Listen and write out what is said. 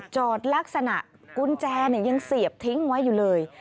จอดลักษณะกุญแจยังเสียบทิ้งไว้อยู่เลย